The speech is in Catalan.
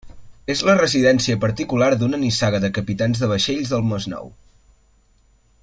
És la residència particular d’una nissaga de capitans de vaixells del Masnou.